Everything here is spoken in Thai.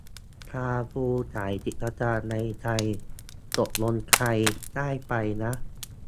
คาร์ฟูร์ขายกิจการในไทย ตกลงใครได้ไปนะ